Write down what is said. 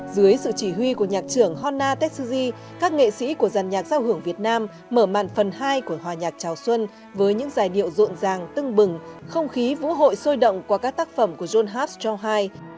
dưới sự chỉ huy của nhạc trưởng honna tetsuji các nghệ sĩ của dàn nhạc giao hưởng việt nam mở mặt phần hai của hòa nhạc chào xuân với những giải điệu rộn ràng tưng bừng không khí vũ hội sôi động qua các tác phẩm của john harpshaw ii